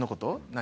何？